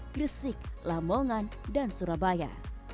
gresik lamongan dan surabaya